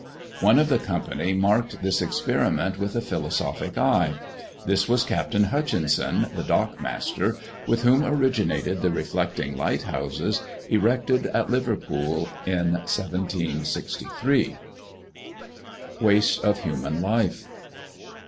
One of the company marked this experiment with a philosophic eye. This was Captain Hutchinson, the dockmaster, with whom originated the reflecting lighthouses, erected at Liverpool in 1763. WASTE OF HUMAN LIFE.